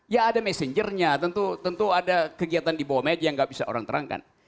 ya ada messengernya tentu ada kegiatan di bawah meja yang nggak bisa orang terangkan